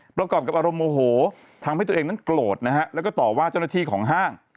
ประกอบกับอารมณ์โมโหทำให้ตัวเองนั้นโกรธนะฮะแล้วก็ต่อว่าเจ้าหน้าที่ของห้าง